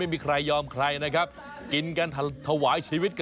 อ้าวนี่แหละเป็นที่มาของคำว่ายกซดนะ